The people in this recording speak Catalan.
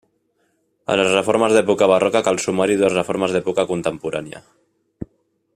A les reformes d’època barroca cal sumar-hi dues reformes d’època contemporània.